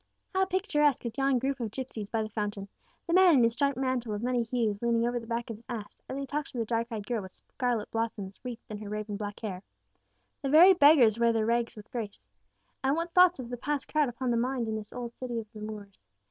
How picturesque is yon group of gipsies by the fountain the man in his striped mantle of many hues leaning over the back of his ass, as he talks to the dark eyed girl with scarlet blossoms wreathed in her raven black hair! The very beggars wear their rags with grace! And what thoughts of the past crowd upon the mind in this old city of the Moors!